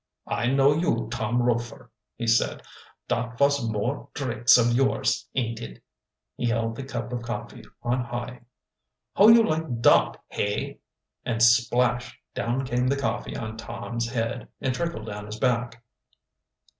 "I know you, Tom Rofer," he said. "Dot vos more dricks of yours, ain't it?" He held the cup of coffee on high. "How you like dot, hey!" And splash! down came the coffee on Tom's head, and trickled down his back.